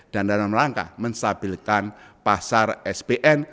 dan dalam rangka menstabilkan pasar sbsn